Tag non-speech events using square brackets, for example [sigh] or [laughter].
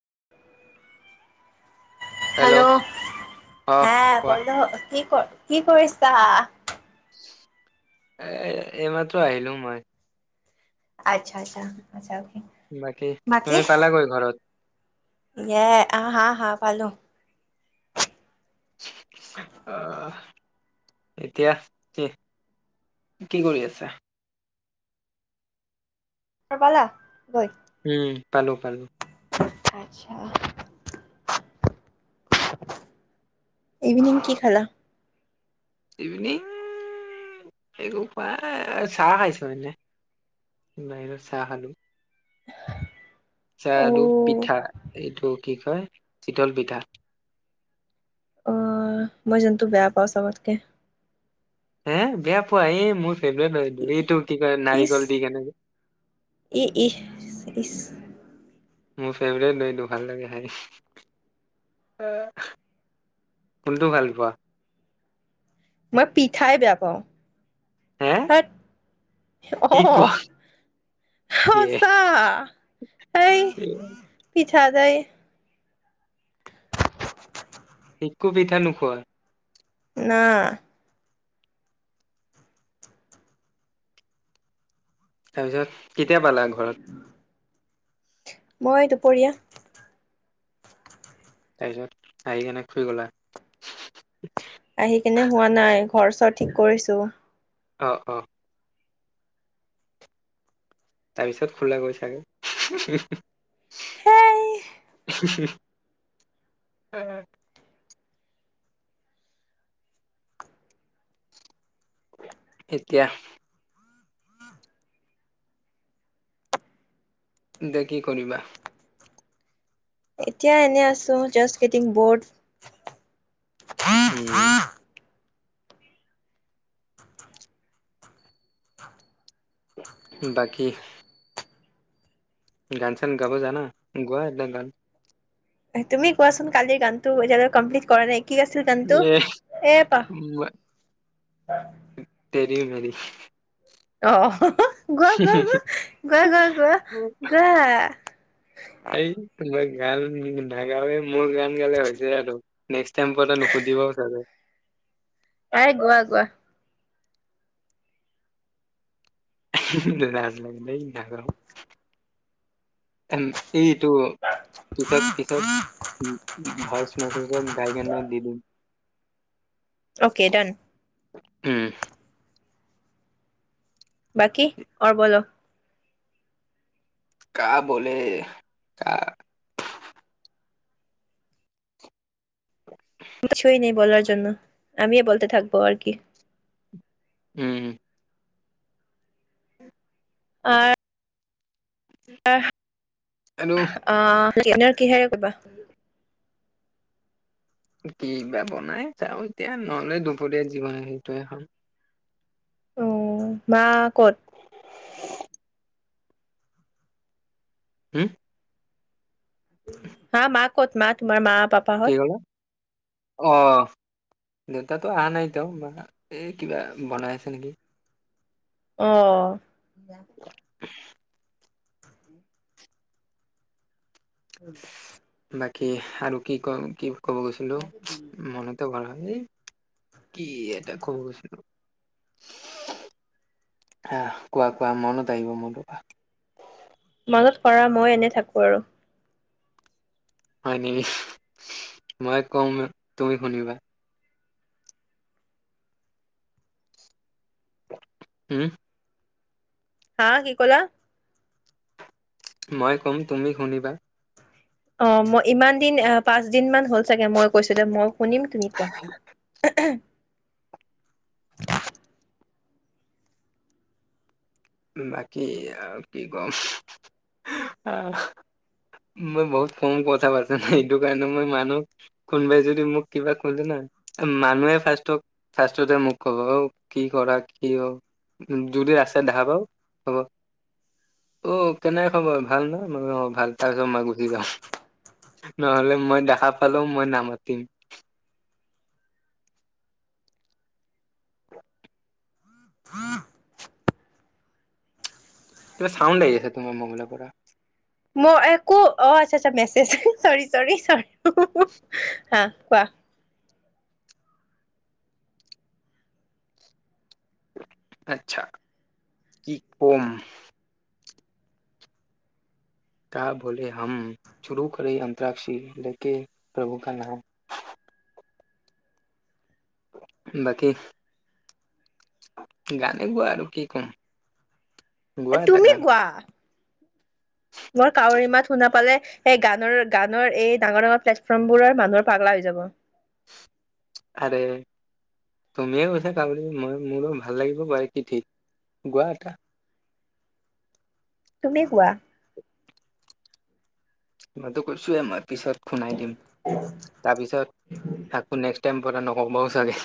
[inaudible] Hello অ হা কোৱা বল কি কৰ কি কৰিছা? এ এইমাট্ৰ আহিলো মই। আচ্ছা আচ্ছা আচছা। বাকী তুমি পালাগৈ ঘৰত? এয় আহ হা হা পালো। অ'। এতিয়া কি-কি কৰি আছা? ত পালা গৈ উম পালো-পালো। আচ্ছা। ইভিনিং কি খালা? ইভিনিং একো খোৱা চাহ খাইছো এনে বাহিৰত চাহ খালোঁ। চাহ আৰু অ' পিঠা এইটো কি কয় চিতল পিঠা। অ' মই যেন্তু বেয়া পাওঁ চবতকে। হে বেয়া পোৱাাই এই মোৰ এইটো কি কৰে ইচ নাৰিকল দি কেনে ই ইহ ইচ মোৰ ফেভৰেট নইতো ভাল লাগে খাই, কোনটো ভাল পোৱা? মই পিঠাই বেয়া পাওঁ। হে হত কি কোৱা অ', ইয়ে সঁচা এই প [unintelligible] একো পিঠা নোখোৱা? নাহ তাৰপিছত কেতিয়া পালা ঘৰত? মই দুপৰীয়া তাৰপিছত আহি কেনে শুই গলা? আহি কেনে শুৱা নাই ঘৰ চৰ ঠিক কৰিছো। অ', অ'। তাৰপিছত শুলা গৈ চাগে হেই এতিয়া দে কি কৰিবা? এতিয়া এনেই আছো জাষ্ট গেটিং বৰ্ড হম। বাকী গান চান গাব জানা গোৱা এ গান তুমি কোৱাচোন কালিৰ গানটো এতিয়ালৈ কমপ্লিট কৰা নাই কি আছিল গানটো এ এ পাহ অঁ তেৰি মেৰি অঁ গোৱা-গোৱা গ গোৱা-গোৱা-গোৱা গ এই তোমাৰ গান নাগাওৱে মই মই গান গালে হৈছে আৰু নেক্স টাইম পটা নুসুধিবও চাগে গোৱা গোৱা লাজ লাগে দেই নাগাও উম এইটো পিছত-পিছত উ ভয়চ ভাইকাই দি দিম অ'কে ডান উম বাকী অঁ বল কা বলে কা কিছুই ন বলাৰ জন্য আমি বলতে থাকব আৰু কি উম অঁ আৰু অঁ ডিনাৰ কিহেৰে কৰিবা কিবা বনাই চাওঁ এতিয়া নহ'লে দুপৰীয়া জি বনাই সেইটো খাম উম মা ক'ত [inaudible] হম মা ক'ত মা তোমাৰ মা পাপাহঁত অঁ দেউতো অহা নাই এতিয়া মায়ে এই কিবা বনাই আছে নেকি অঁ [inaudible] [inaudible] উম বাকী আৰু কি ক কি ক'ব গৈছিলো মনেতে পৰা নাই কি এটা কব গৈছিলো কোৱা কোৱা মনত আহিব মোৰ তোমাৰ মাজত কৰা মই এনে থাকো আৰু হয় নেকি মই কম তুমি শুনিবা উম হা, কি ক'লা? মই ক'ম, তুমি শুনিবা অ', মই ইমান দিন, পাঁচ দিনমান হ'ল চাগে, মই কৈছোঁ দে, মই শুনিম, তুমি কোৱা। বাকী আৰু কি কম, মই বহুত কম কথা পাতো ন, সেইটো কাৰণে মই মানুহ, কোনবাই যদি মোক কিবা কলে ন, মানুহে ফাৰ্ষ্টত, ফাৰ্ষ্টতে মোক কব, অ' কি কৰা, কিয়, যদি আছে [unintelligible] হব, অ' কেনে খবৰ ভাল নে, মই [unintelligible] অ' ভাল, তাৰ পিছত মই গুচি যাওঁ, নহলে মই দেখা পালেও মই নামাতিম। কিবা চাউণ্ড লাগি আছে, তোমাৰ ম'বাইলৰপৰা। মই একো, অ' আচ্ছা আচ্ছা মেছেজ, চৰি, চৰি, চৰি, হাঁ, কোৱা। আচ্ছা, কি কম ক্যা বোলে হম, শুৰু কৰে আন্ত্ৰাক্ষী, লেকে প্ৰভু কা নাম। বাকী গানে গোৱা আৰু কি কম গোৱা এটা তুমি গান গোৱা। মোৰ কাউৰী মাত শুনা পালে এই গানৰ গানৰ এই ডাঙৰ ডাঙৰ প্লেটফৰ্ম বোৰৰ মানুহ পাগলা হৈ যাব। আৰে, তুমিয়ে কৈছা কাউৰী [unintelligible] মই মোৰ দেখোন ভাল লাগিব পাৰে কি ঠিক, গোৱা এটা। তুমি গোৱা। মই তো কৈছোৱে, মই পিছত শুনাই দিম, তাৰপিছত আকৌ নেক্সট টাইম কথা নকবাও চাগে